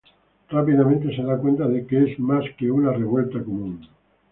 Rápidamente se da cuenta de que es más que una revuelta común.